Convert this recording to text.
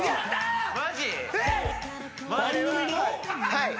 はい。